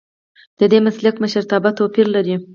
ددې مسلک مشرتابه توپیر لري.